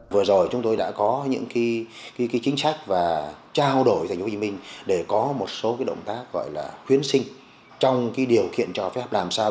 vừa rồi chúng tôi đã có những chính sách và trao đổi thành phố hồ chí minh để có một số động tác gọi là khuyến sinh trong điều kiện cho phép làm sao